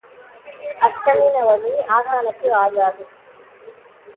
அஷ்டமி நவமி ஆசானுக்கு ஆகாது.